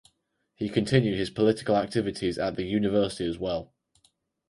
He continued his political activities at the university as well.